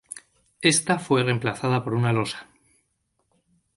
Ésta fue remplazada por una Losa.